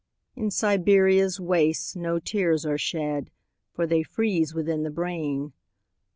In Siberia's wastesNo tears are shed, For they freeze within the brain.